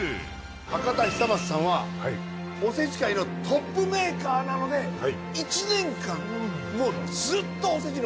博多久松さんはおせち界のトップメーカーなので１年間もう。